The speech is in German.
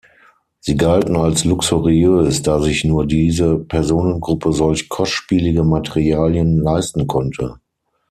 Sie galten als luxuriös, da sich nur diese Personengruppe solch kostspielige Materialien leisten konnte.